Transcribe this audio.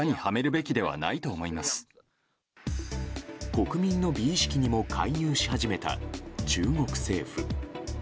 国民の美意識にも介入し始めた中国政府。